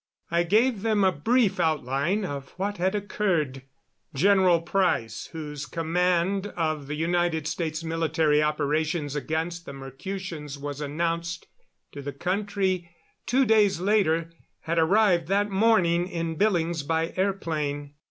I gave them a brief outline of what had occurred. General Price, whose command of the United States military operations against the Mercutians was announced to the country two days later, had arrived that morning in Billings by airplane.